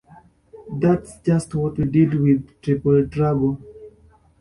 That's just what we did with "Triple Trouble".